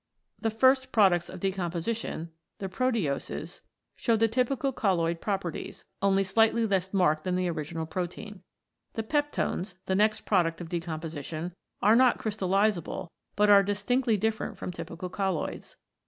The first products of de composition, the proteoses, show the typical colloid properties, only slightly less marked than the original protein. The peptones, the next product of decomposition, are not crystallisable, but are distinctly different from typical colloids.